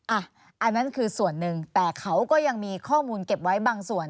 อันนั้นคือส่วนหนึ่งแต่เขาก็ยังมีข้อมูลเก็บไว้บางส่วน